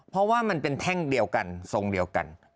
เพราะว่ามันเป็นแท่งเดียวกันทรงเดียวกัน